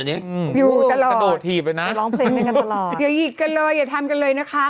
อย่าหยิกกันเลยอย่าทำกันเลยนะคะ